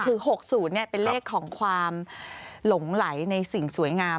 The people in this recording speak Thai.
คือ๖๐เป็นเลขของความหลงไหลในสิ่งสวยงาม